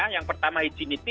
yang pertama higienity